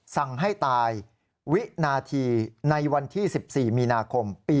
สั่งให้ตายวินาทีในวันที่๑๔มีนาคมปี๒๕